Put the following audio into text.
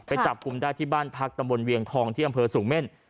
จับกลุ่มได้ที่บ้านพักตำบลเวียงทองที่อำเภอสูงเม่น